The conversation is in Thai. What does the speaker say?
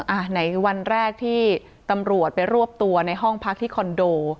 อ่ะไหนวันแรกที่ตำรวจไปรวบตัวในห้องพักที่คอนโด